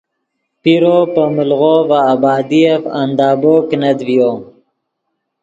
پیرو پے ملغو ڤے آبادیف اندابو کینت ڤیو